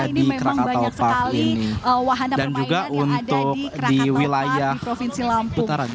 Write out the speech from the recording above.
ini memang banyak sekali wahana permainan yang ada di krakatauan di provinsi lampung